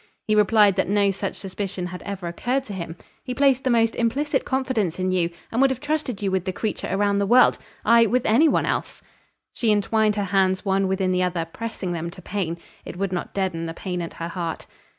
He replied that no such suspicion had ever occurred to him. He placed the most implicit confidence in you, and would have trusted you with the creature around the world, aye, with any one else." She entwined her hands one within the other, pressing them to pain. It would not deaden the pain at her heart.